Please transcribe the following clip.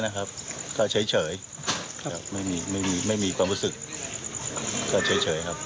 นะครับก็เฉยครับไม่มีไม่มีความรู้สึกก็เฉยครับ